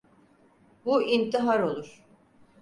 Bu intihar olur.